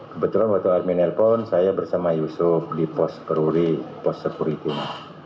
kebetulan waktu army nelfon saya bersama yusuf di pos peruri pos sekuritim